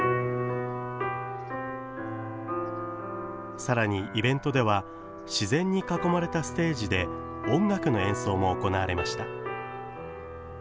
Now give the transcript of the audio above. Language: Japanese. さらにイベントでは自然に囲まれたステージで音楽の演奏も行われました。